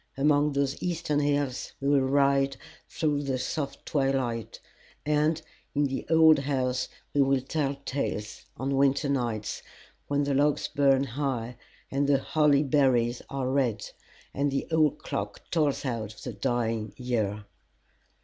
Among those eastern hills we will ride through the soft twilight, and in the old house we will tell tales on winter nights, when the logs burn high, and the holly berries are red, and the old clock tolls out the dying year.